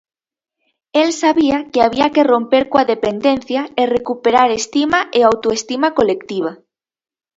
El sabía que había que romper coa dependencia e recuperar estima e autoestima colectiva.